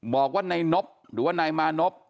บอกว่านายนบหรือว่านายมานพ